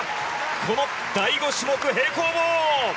この第５種目、平行棒。